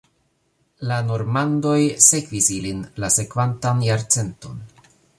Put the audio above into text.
La normandoj sekvis ilin la sekvantan jarcenton.